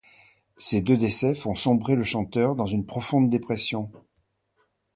Ces deux décès font sombrer le chanteur dans une profonde dépression.